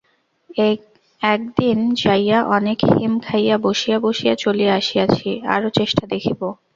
একদিন যাইয়া অনেক হিম খাইয়া বসিয়া বসিয়া চলিয়া আসিয়াছি, আরও চেষ্টা দেখিব।